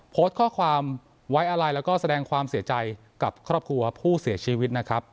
โพสต์ข้อความไว้อะไรแล้วก็แสดงความเสียใจกับครอบครัวผู้เสียชีวิตนะครับ